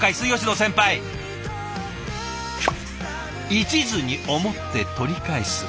「一途に思って取り返す」。